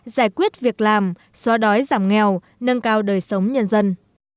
giải quyết việc làm xóa đói giảm nghèo nâng cao đời sống nhân dân